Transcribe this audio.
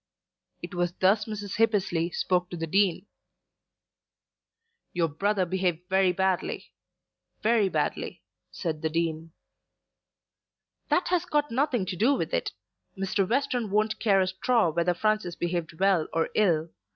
It was thus that Mrs. Hippesley spoke to the Dean. "Your brother behaved very badly; very badly," said the Dean. "That has got nothing to do with it. Mr. Western won't care a straw whether Francis behaved well or ill.